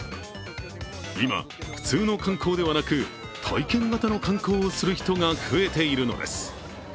今、普通の観光ではなく、体験型の観光をする人が増えているのです。